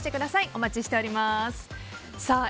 お待ちしております。